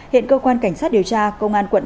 hiện cơ quan cảnh sát điều tra công an quận